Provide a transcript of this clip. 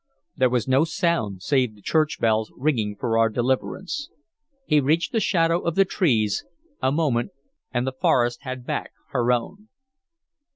There was no sound save the church bells ringing for our deliverance. He reached the shadow of the trees: a moment, and the forest had back her own.